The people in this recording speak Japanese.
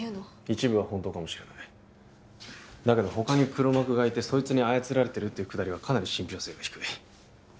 一部は本当かもしれないだけど他に黒幕がいてそいつに操られてるっていうくだりはかなり信ぴょう性が低い